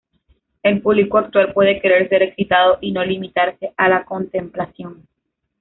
El público actual puede querer ser excitado y no limitarse a la contemplación.